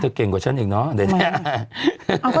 เธอเก่งกว่าฉันอีกเนาะ